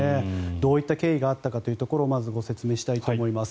どういった経緯があったかというところをご説明したいと思います。